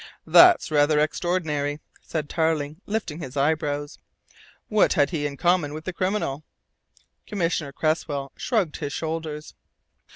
"That's rather extraordinary," said Tarling, lifting his eyebrows. "What had he in common with the criminal?" Commissioner Cresswell shrugged his shoulders.